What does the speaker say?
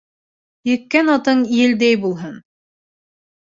Еккән атың елдәй булһын.